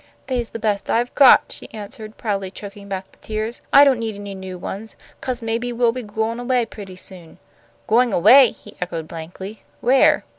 "They's the best I've got," she answered, proudly choking back the tears. "I don't need any new ones, 'cause maybe we'll be goin' away pretty soon." "Going away!" he echoed, blankly, "Where?"